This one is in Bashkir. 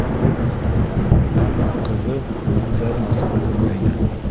Әммә ҡыҙы күҙҙәрен асып өлгөргәйне.